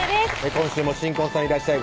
今週も新婚さんいらっしゃい！